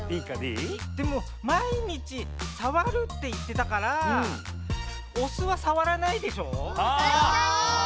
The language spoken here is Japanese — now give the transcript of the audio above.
でも毎日さわるって言ってたからお酢はさわらないでしょ？